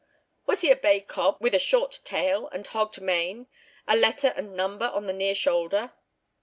"Was he a bay cob with a short tail and hogged mane, a letter and number on the near shoulder?"